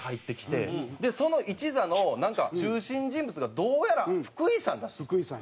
でその一座の中心人物がどうやら福井さんらしい。